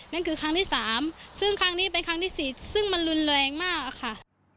นั่นคือครั้งที่๓ซึ่งครั้งนี้เป็นครั้งที่๔ซึ่งมันรุนแรงมากค่ะ